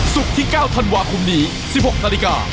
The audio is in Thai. ศุกร์ที่๙ธันวาคมนี้๑๖นาฬิกา